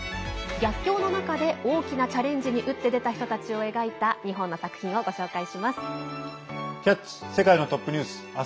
逆境の中で大きなチャレンジに打って出た人たちを描いた２本の作品をご紹介します。